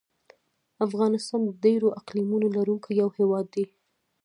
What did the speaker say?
افغانستان د ډېرو اقلیمونو لرونکی یو هېواد دی.